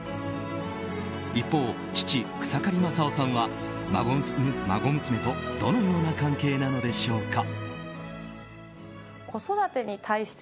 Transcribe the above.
一方、父・草刈正雄さんは孫娘とどのような関係なのでしょうか。